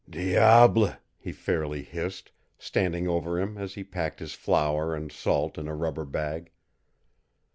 "Diable!" he fairly hissed, standing over him as he packed his flour and salt in a rubber bag.